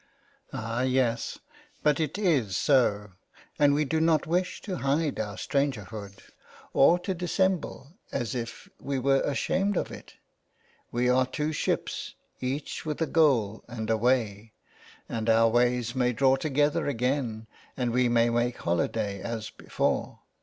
Ah, yes ; but it is so, and we do " not wish to hide our strangerhood, or to dis *' semble as if we were ashamed of it. We are " two ships each with a goal and a way ; and our ways may draw together again and we may make holiday '' as before.